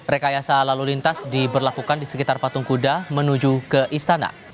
rekayasa lalu lintas diberlakukan di sekitar patung kuda menuju ke istana